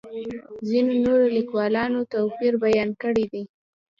ځینو نورو لیکوالو توپیر بیان کړی دی.